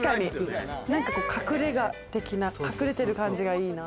隠れ家的な、隠れてる感じがいいなぁ。